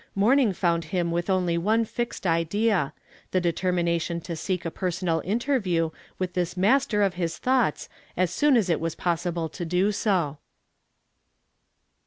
Morning found him with only one fixed idea, the determi nation to seek a pei sonal interview with this mas ter of his tlioughts as soon as it was possible to do so.